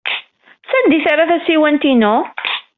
Sanda ay terra tasiwant-inu?